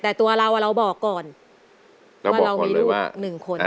แต่ตัวเราเราบอกก่อนว่าเรามีลูกหนึ่งคน